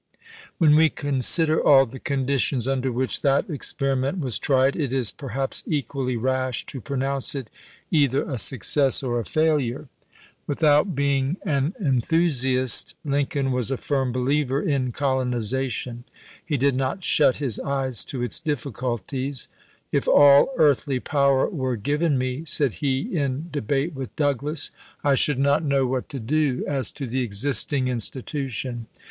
When we consider all the conditions under which that experiment was tried, it is per haps equally rash to pronounce it either a success or a failure. 364 COLONIZATION 355 Lincoln , Douglas y Debates, p. 74. Without being an enthusiast, Lincoln was a firm ch. xvii. believer in colonization. He did not shut his eyes to its difficulties, " If all earthly power were given me," said he in debate with Douglas, " I should not know what to do, as to the existing institution.